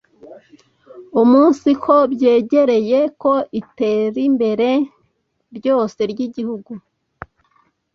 umunsiko byegeregeye ko iterimbere ryose ry’Igihugu